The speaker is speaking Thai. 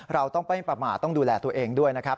เราต้องไปประมาทต้องดูแลตัวเองด้วยนะครับ